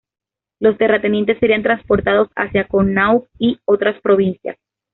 Los terratenientes serían transportados hacia Connaught y a otras provincias.